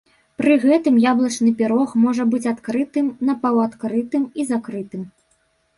Пры гэтым яблычны пірог можа быць адкрытым, напаўадкрытым і закрытым.